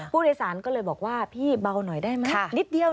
ผู้โดยสารก็เลยบอกว่าพี่เบาหน่อยได้ไหมนิดเดียว